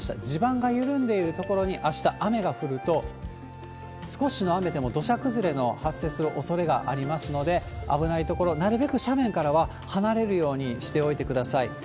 地盤が緩んでいる所にあした、雨が降ると、少しの雨でも土砂崩れの発生するおそれがありますので、危ない所、なるべく斜面からは離れるようにしておいてください。